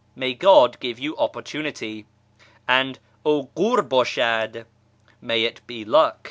May God give you opportunity !"); and " Oghur hdshad!" ("IMay it be luck!")